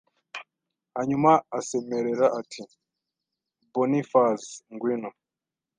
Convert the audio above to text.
Hanyuma asemerera ati Bonifaz ngwino